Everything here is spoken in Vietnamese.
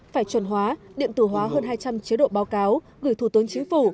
phải chuẩn hóa điện tử hóa hơn hai trăm linh chế độ báo cáo gửi thủ tướng chính phủ